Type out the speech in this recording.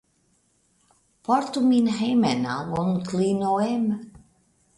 Portu min hejmen al Onklino Em?